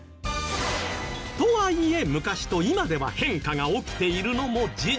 とはいえ昔と今では変化が起きているのも事実